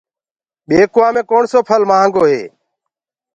ٻيڪوآ مي ڪوڻسو ڦسل قيمتي هي۔